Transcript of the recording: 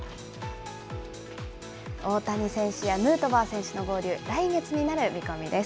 大谷選手やヌートバー選手の合流、来月になる見込みです。